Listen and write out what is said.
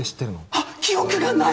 あ記憶がない！